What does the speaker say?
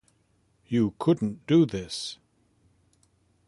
You couldn't do this!